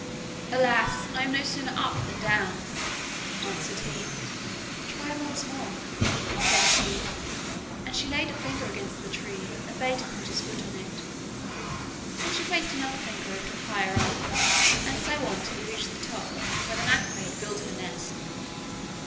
'Alas! I am no sooner up than down,' answered he. 'Try once more,' said she, and she laid a finger against the tree and bade him put his foot on it. Then she placed another finger a little higher up, and so on till he reached the top, where the magpie had built her nest.